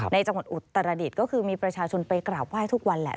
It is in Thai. จังหวัดอุตรดิษฐ์ก็คือมีประชาชนไปกราบไห้ทุกวันแหละ